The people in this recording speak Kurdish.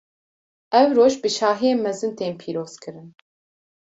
Ev roj, bi şahiyên mezin tên pîrozkirin.